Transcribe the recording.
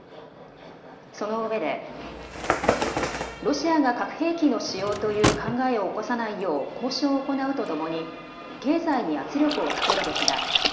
そのうえでロシアが核兵器の使用という考えを起こさないよう交渉を行うとともに経済に圧力をかけるべきだ。